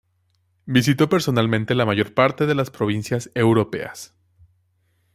Visitó personalmente la mayor parte de las Provincias europeas.